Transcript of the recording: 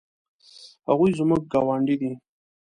هغوی زموږ ګاونډي دي